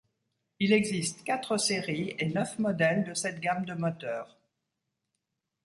Il existe quatre séries et neuf modèles de cette gamme de moteurs.